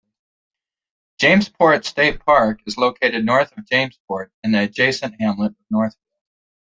Jamesport State Park is located north of Jamesport in the adjacent hamlet of Northville.